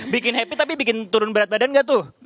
bikin happy tapi bikin turun berat badan nggak tuh